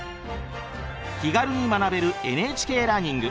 気軽に学べる「ＮＨＫラーニング」。